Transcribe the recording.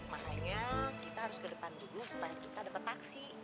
makanya kita harus ke depan dulu supaya kita dapet taksi ya